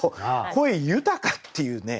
「声豊か」っていうね。